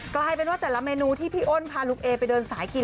กลายเป็นว่าแต่ละเมนูที่พี่อ้นพาลุงเอไปเดินสายกิน